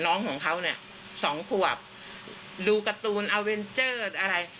น้องของเขาเนี่ยสองขวบดูการ์ตูนอาเวนเจอร์อะไร